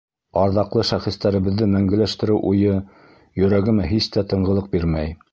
Арҙаҡлы шәхестәребеҙҙе мәңгеләштереү уйы йөрәгемә һис тә тынғылыҡ бирмәй.